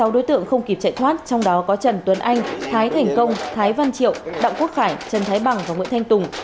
sáu đối tượng không kịp chạy thoát trong đó có trần tuấn anh thái thành công thái văn triệu đặng quốc khải trần thái bằng và nguyễn thanh tùng